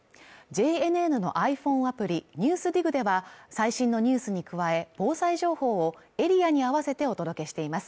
ＪＮＮのｉＰｈｏｎｅアプリ「ＮＥＷＳＤＩＧ」では最新のニュースに加え防災情報をエリアに合わせてお届けしています